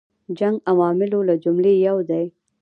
جنګ عواملو له جملې یو دی.